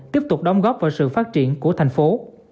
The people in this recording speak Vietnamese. tiếp tục đóng góp vào sự phát triển của thành phố